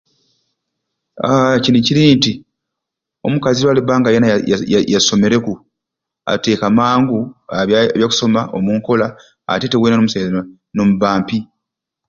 Aaa kini kiri nti omukazi waliba nga yena ya ya ya yasomereku ateka mangu ebya ebya kusoma omunkola ate te wena omusaiza nomubba ampi.